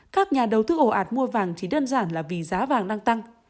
các nhà đầu tư ổ ạt mua vàng thì đơn giản là vì giá vàng đang tăng